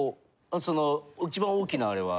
その一番大きなあれは？